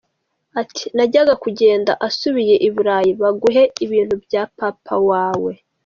Ati : najya kugenda, asubiye i Burayi, baguhe ibintu bya papa wawe.